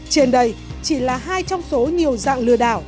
trên đây chỉ là hai trong số nhiều dạng lừa đảo